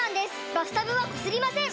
バスタブはこすりません！